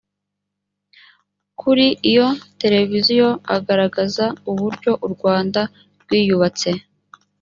kuri iyo televiziyo agaragaza uburyo u rwanda rwiyubatse